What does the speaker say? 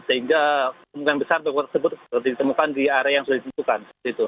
sehingga kemungkinan besar toko tersebut ditemukan di area yang sudah ditentukan